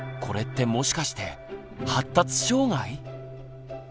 これってもしかして発達障害？